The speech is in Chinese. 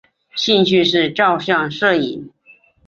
兴趣是照相摄影。